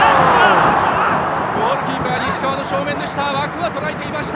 ゴールキーパー、西川の正面でした！